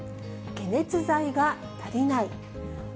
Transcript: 解熱剤が足りない。